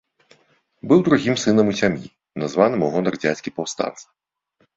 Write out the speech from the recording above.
Быў другім сынам у сям'і, названым у гонар дзядзькі-паўстанца.